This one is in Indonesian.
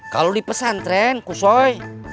kalo di pesantren kusoi